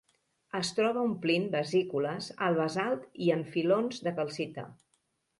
Es troba omplint vesícules al basalt i en filons de calcita.